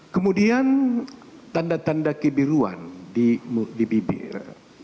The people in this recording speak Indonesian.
kemudian tanda tanda kebiruan di bibir